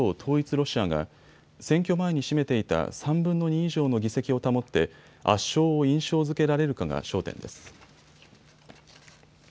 ロシアが選挙前に占めていた３分の２以上の議席を保って圧勝を印象づけられるかが焦点です。